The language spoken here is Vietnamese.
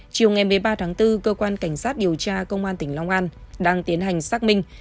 chiều ngày một mươi ba tháng bốn cơ quan cảnh sát điều tra công an tỉnh long an đang tiến hành xác minh